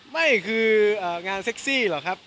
ไม่คืองานเซ็กซี่หรอกครับ